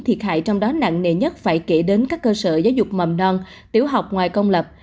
thiệt hại trong đó nặng nề nhất phải kể đến các cơ sở giáo dục mầm non tiểu học ngoài công lập